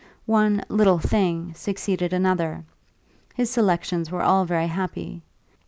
One "little thing" succeeded another; his selections were all very happy.